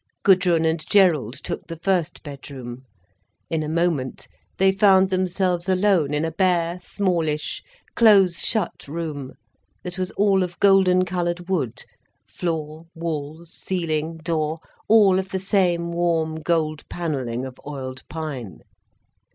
Gudrun and Gerald took the first bedroom. In a moment they found themselves alone in a bare, smallish, close shut room that was all of golden coloured wood, floor, walls, ceiling, door, all of the same warm gold panelling of oiled pine.